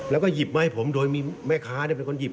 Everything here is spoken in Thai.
แล้วก็หยิบมาให้ผมโดยมีแม่ค้าเป็นคนหยิบ